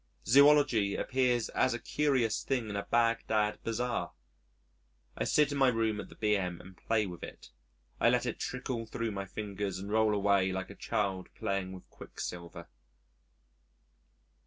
Zoology appears as a curious thing in a Bagdad bazaar. I sit in my room at the B.M. and play with it; I let it trickle thro' my fingers and roll away like a child playing with quicksilver.